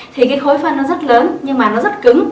thì cái khối phân nó rất lớn nhưng mà nó rất cứng